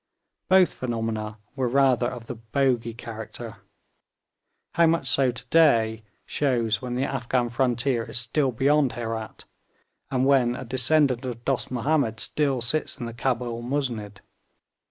Both phenomena were rather of the 'bogey' character; how much so to day shows when the Afghan frontier is still beyond Herat, and when a descendant of Dost Mahomed still sits in the Cabul musnid.